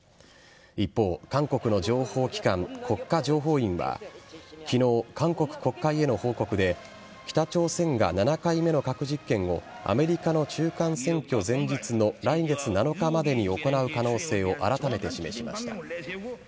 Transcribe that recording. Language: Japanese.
一方、韓国の情報機関国家情報院は昨日、韓国国会への報告で北朝鮮が７回目の核実験をアメリカの中間選挙前日の来月７日までに行う可能性をあらためて示しました。